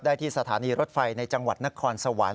ที่สถานีรถไฟในจังหวัดนครสวรรค์